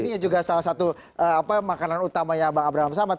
ini juga salah satu makanan utamanya bang abraham samad